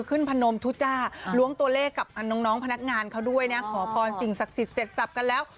แม่ฮุยหาฉันชอบ